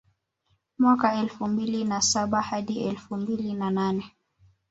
Mwaka elfu mbili na saba hadi elfu mbili na nane